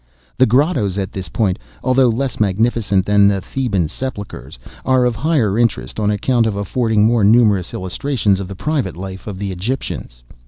The grottoes at this point, although less magnificent than the Theban sepulchres, are of higher interest, on account of affording more numerous illustrations of the private life of the Egyptians.